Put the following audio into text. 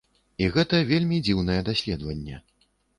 І гэта вельмі дзіўнае даследаванне.